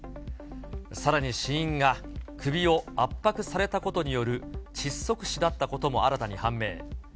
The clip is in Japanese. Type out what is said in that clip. さらに死因が首を圧迫されたことによる窒息死だったことも新たに判明。